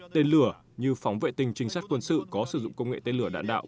tên lửa như phóng vệ tinh trinh sát quân sự có sử dụng công nghệ tên lửa đạn đạo